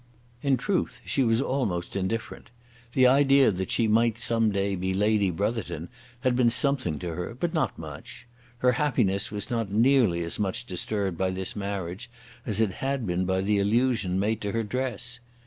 In truth, she was almost indifferent. The idea that she might some day be Lady Brotherton had been something to her, but not much. Her happiness was not nearly as much disturbed by this marriage as it had been by the allusion made to her dress.